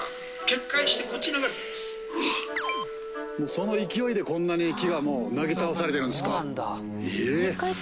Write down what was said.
その勢いでこんなに木がなぎ倒されてるんすか。